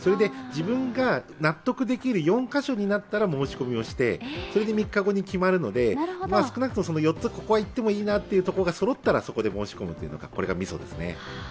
自分が納得できる４か所になったら申し込みをして、３日後に決まるので、少なくとも４つ、ここは行ってもいいなというのがそろったら、ここで申し込みというのがミソですね。